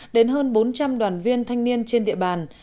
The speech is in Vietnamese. đến hơn bốn trăm linh đoàn viên thanh niên trên địa bàn